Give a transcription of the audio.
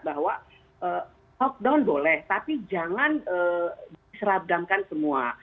bahwa lockdown boleh tapi jangan diserabdamkan semua